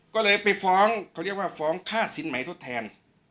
ก็เลยไปฟ้องเขาเรียกว่าฟ้องค่าสินใหม่ทดแทน